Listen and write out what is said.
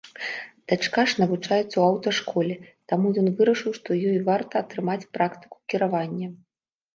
Дачка ж навучаецца ў аўташколе, таму ён вырашыў, што ёй варта атрымаць практыку кіравання.